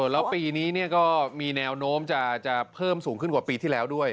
แล้วปีนี้ก็มีแนวโน้มจะเพิ่มสูงขึ้นกว่าปีที่แล้วด้วย